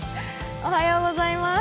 おはようございます。